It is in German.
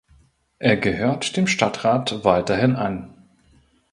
Er gehört dem Stadtrat weiterhin an.